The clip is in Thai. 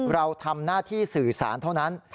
เราทำหน้าที่สื่อสารเท่านั้น